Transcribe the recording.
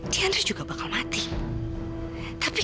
diandri juga akan mati